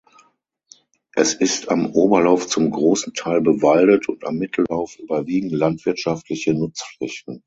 Es ist am Oberlauf zum großen Teil bewaldet und am Mittellauf überwiegen landwirtschaftliche Nutzflächen.